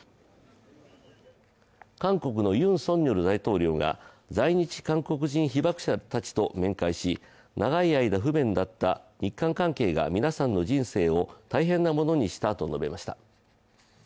韓国のユン・ソンニョル大統領が在日韓国人被爆者たちと面会し長い間不便だった日韓関係が皆さんの人生を大変なものにしたと述べました。